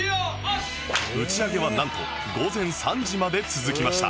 打ち上げはなんと午前３時まで続きました